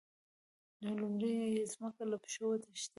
نو لومړی یې ځمکه له پښو وتښتېده.